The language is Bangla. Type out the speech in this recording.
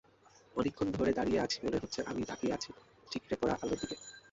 অনেকক্ষণ ধরে দাঁড়িয়ে আছি, মনে হচ্ছে আমি তাকিয়ে আছি ঠিকরে পড়া আলোর দিকে।